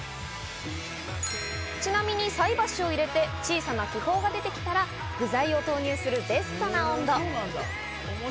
ちなみに菜箸を入れて、小さな気泡が出てきたら、具材を投入するベストな温度。